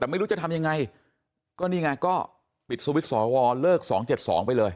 แต่ไม่รู้จะทำยังไงก็นี่ไงก็ปิดสวิตช์สอวอลเลิก๒๗๒ไปเลย